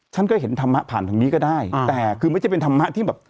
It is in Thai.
ฉันก็เห็นธรรมะผ่านทางนี้ก็ได้แต่คือไม่ใช่เป็นธรรมะที่แบบ